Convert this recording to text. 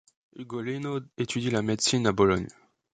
Ugolino étudie la médecine à Bologne.